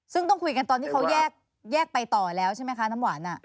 ซึ่งต้องคุยกันตอนที่เขาแยกไปต่อแล้วใช่ไหมคะน้ำหวาน